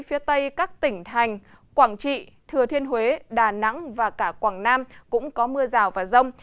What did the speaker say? phía tây các tỉnh thành quảng trị thừa thiên huế đà nẵng và cả quảng nam cũng có mưa rào và rông